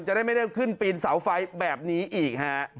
จะได้ไม่เคลื่อนขึ้นปีนเสาไฟแบบนี้อีก